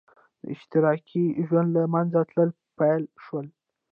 د اشتراکي ژوند له منځه تلل پیل شول.